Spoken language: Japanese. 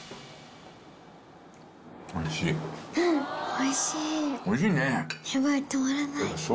おいしい。